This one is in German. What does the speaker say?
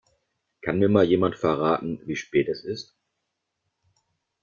Kann mir mal jemand verraten, wie spät es ist?